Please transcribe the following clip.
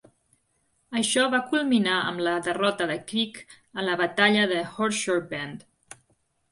Això va culminar amb la derrota de Creek a la batalla del Horseshoe Bend.